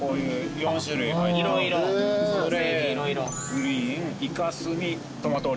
グリーンイカ墨トマトオリーブ。